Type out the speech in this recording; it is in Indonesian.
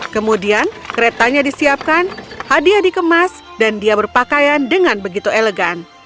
kemudian keretanya disiapkan hadiah dikemas dan dia berpakaian dengan begitu elegan